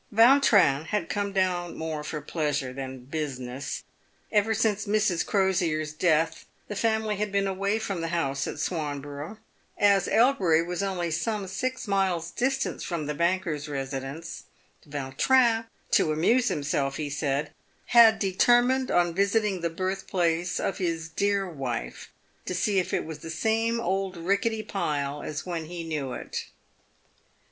Vautrin had come down more for pleasure than business. Ever since Mrs. Crosier' s death, the family had been away from the house at Swanborough. As Elbury was only some six miles distant from the banker's residence, Vautrin — to amuse himself, he said— had determined on visiting the birthplace of his " dear wife, to see if it was the same old rickety pile as when he knew it."